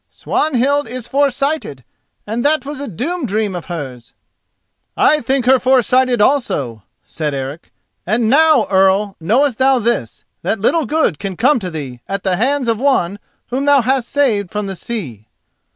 Swanhild is foresighted, and that was a doom dream of hers." "I think her foresighted also," said Eric. "And now, Earl, knowest thou this: that little good can come to thee at the hands of one whom thou hast saved from the sea."